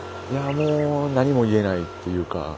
もう何も言えないっていうか。